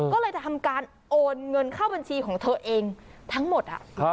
ก็เลยจะทำการโอนเงินเข้าบัญชีของเธอเองทั้งหมด